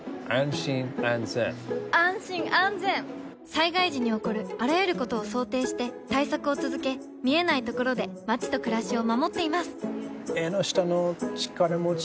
災害時に起こるあらゆることを想定して対策を続け見えないところで街と暮らしを守っていますエンノシタノチカラモチ？